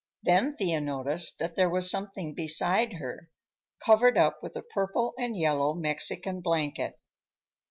Then Thea noticed that there was something beside her, covered up with a purple and yellow Mexican blanket.